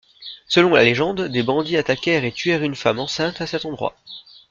Selon la légende, des bandits attaquèrent et tuèrent une femme enceinte à cet endroit.